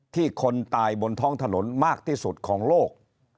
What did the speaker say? คนตายบนท้องถนนมากที่สุดของโลก